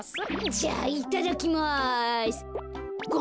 じゃあいただきます。